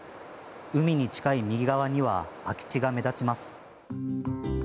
海に近い右側には空き地が目立ちます。